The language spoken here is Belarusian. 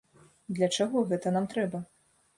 Для чаго гэта нам трэба?